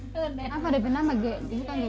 jangan lupa untuk berlangganan